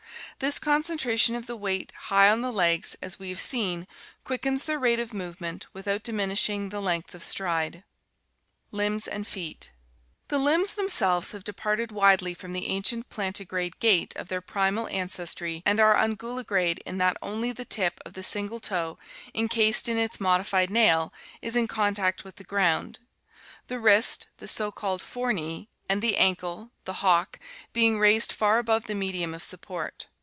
This concentration of the weight high on the legs, as we have seen, quickens their rate of movement without diminishing the length of stride. Limbs and Feet. — The limbs themselves have departed widely from the ancient plantigrade gait of their primal ancestry and are unguligrade in that only the tip of the single toe, encased in its modified nail, is in contact with the ground; the wrist, the so called fore knee, and the ankle, the hock, being raised far above the medium of support.